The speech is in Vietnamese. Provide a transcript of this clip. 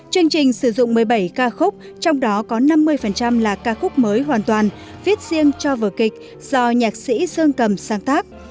chương trình sử dụng một mươi bảy ca khúc trong đó có năm mươi là ca khúc mới hoàn toàn viết riêng cho vở kịch do nhạc sĩ dương cầm sáng tác